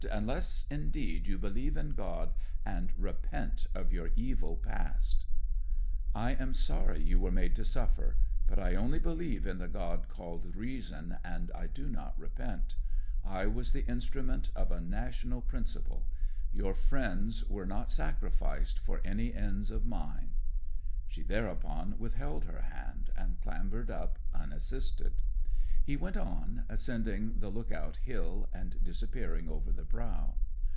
"Unless, indeed, you believe in God, and repent of your evil past!" '"I am sorry you were made to suffer. But I only believe in the god called Reason, and I do not repent. I was the instrument of a national principle. Your friends were not sacrificed for any ends of mine." 'She thereupon withheld her hand, and clambered up unassisted. He went on, ascending the Look out Hill, and disappearing over the brow.